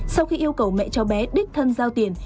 sau khi yêu cầu mẹ cháu bé đích thân giao tiền